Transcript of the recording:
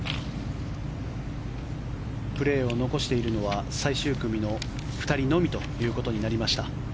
プレーを残しているのは最終組の２人のみということになりました。